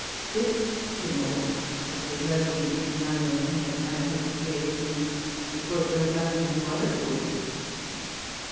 This tumult, which was over between nine and ten at night, had scarce ceased before it broke out in two other quarters.